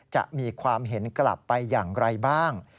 จะมีความเห็นกลับไปอย่างไรบ้าง